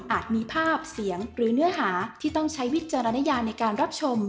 มีภาพเสียงหรือเนื้อหาที่ต้องใช้วิจารณญาในการรับชม